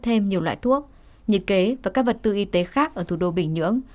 thêm nhiều loại thuốc nhiệt kế và các vật tư y tế khác ở thủ đô bình nhưỡng